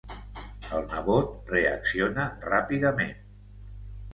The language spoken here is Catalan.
El nebot reacciona ràpidament.